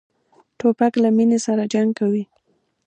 توپک له مینې سره جنګ کوي.